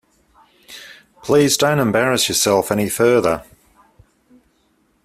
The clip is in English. Please don't embarrass yourself any further.